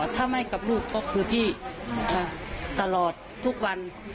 ถ้าไม่กับลูกก็คือพี่ตลอดทุกวัน